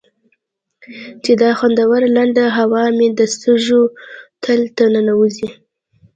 چې دا خوندوره لنده هوا مې د سږو تل ته ننوځي.